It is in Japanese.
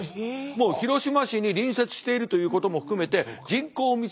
もう広島市に隣接しているということも含めて人口密度が非常に高い。